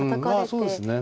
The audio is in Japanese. まあそうですね